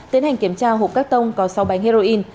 tiến hành kiểm tra hộp cắt tông có sáu bánh heroin